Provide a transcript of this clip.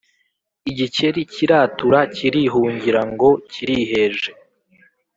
igikeri kiratura kirihungira ngo kiriheje,